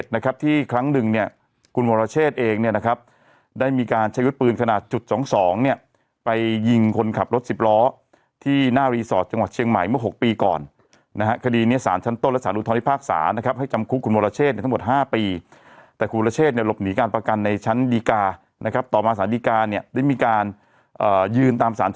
มีการใช้ยุทธ์ปืนขนาดจุด๒๒เนี่ยไปยิงคนขับรถสิบล้อที่หน้ารีสอร์สจังหวัดเชียงใหม่เมื่อ๖ปีก่อนนะฮะคดีนี้สารชั้นต้นและสารอุทธรณ์ที่ภาคศานะครับให้จำคุกคุณวรเชษฐ์ในทั้งหมด๕ปีแต่คุณวรเชษฐ์หลบหนีการประกันในชั้นดีกานะครับต่อมาสารดีกาเนี่ยได้มีการยืนตามสารช